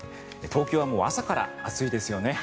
東京はもう朝から暑いですよね。